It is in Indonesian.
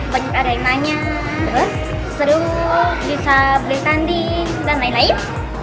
banyak arenanya seru bisa beli tanding dan lain lain